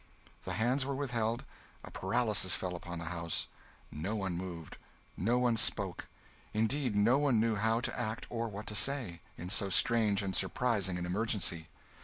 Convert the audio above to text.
The hands were withheld; a paralysis fell upon the house; no one moved, no one spoke; indeed, no one knew how to act or what to say, in so strange and surprising an emergency.